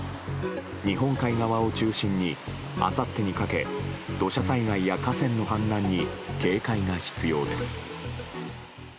日本海側を中心にあさってにかけ土砂災害や河川の氾濫に警戒が必要です。